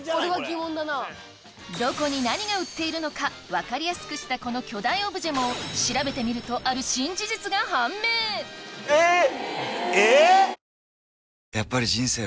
どこに何が売っているのか分かりやすくしたこの巨大オブジェも調べてみるとあるえっ！